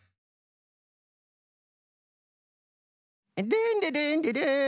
ルンルルンルルン！